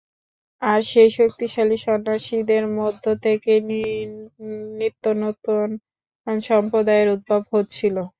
আর সেই শক্তিশালী সন্ন্যাসীদের মধ্য থেকেই নিত্যনূতন সম্প্রদায়ের উদ্ভব হচ্ছিল।